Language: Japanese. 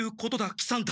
喜三太。